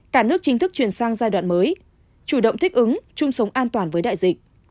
cả nước chính thức chuyển sang giai đoạn mới chủ động thích ứng chung sống an toàn với đại dịch